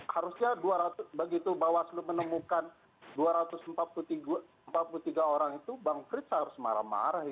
harusnya begitu bawaslu menemukan dua ratus empat puluh tiga orang itu bang frits harus marah marah